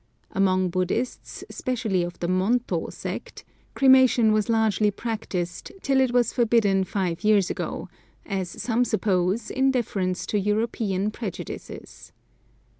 Among Buddhists, specially of the Monto sect, cremation was largely practised till it was forbidden five years ago, as some suppose in deference to European prejudices.